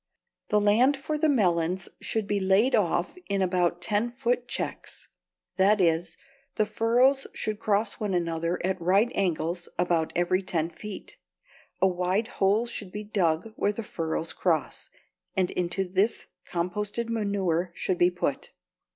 The land for the melons should be laid off in about ten foot checks; that is, the furrows should cross one another at right angles about every ten feet. A wide hole should be dug where the furrows cross, and into this composted manure should be put.